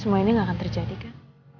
semua ini nggak akan terjadi kan